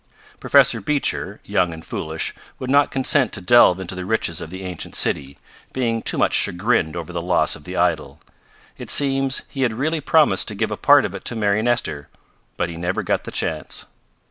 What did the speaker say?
Professor Beecher, young and foolish, would not consent to delve into the riches of the ancient city, being too much chagrined over the loss of the idol. It seems he had really promised to give a part of it to Mary Nestor. But he never got the chance.